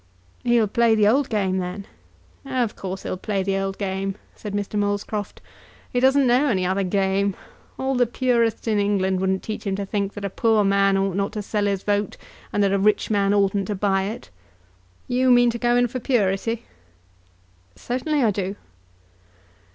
"He'll play the old game, then?" "Of course he'll play the old game," said Mr. Molescroft. "He doesn't know any other game. All the purists in England wouldn't teach him to think that a poor man ought not to sell his vote, and that a rich man oughtn't to buy it. You mean to go in for purity?" "Certainly I do."